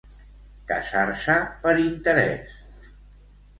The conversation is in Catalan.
Casar-se per interès.